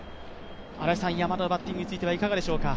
山田のバッティングについてはいかがでしょうか。